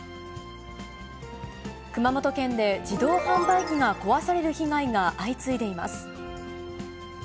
熊本県で自動販売機が壊される被害が相次いでいます。